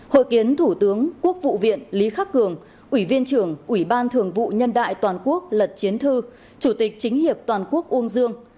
hội kiến thủ tướng quốc vụ viện lý khắc cường ủy viên trưởng ủy ban thường vụ nhân đại toàn quốc lật chiến thư chủ tịch chính hiệp toàn quốc uông dương